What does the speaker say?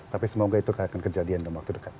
tapi semoga itu akan kejadian dalam waktu dekat